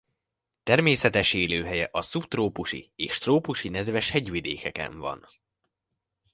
Természetes élőhelye a szubtrópusi és trópusi nedves hegyvidékeken van.